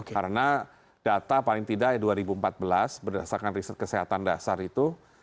karena data paling tidak dua ribu empat belas berdasarkan riset kesehatan dasar itu